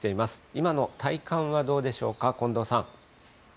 今の体感はどうでしょうか、近藤さん。